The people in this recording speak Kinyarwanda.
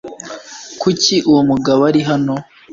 Kuki uwo mugabo ari hano?